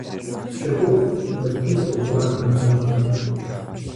Щыгугъ, ептынт уэ Фуӏад нэгъуэщӏым.